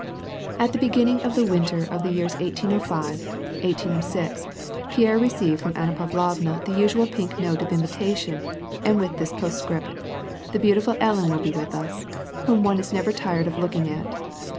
At the beginning of the winter of the years 1805, 1806, Pierre received from Anna Pavlovna the usual pink note of invitation, and with this postscript: "The beautiful Ellen will be with us, whom one is never tired of looking at."